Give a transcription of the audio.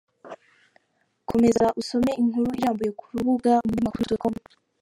Komeza usome inkuru irambuye ku rubuga umunyamakuru.com